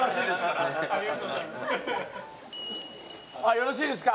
よろしいですか？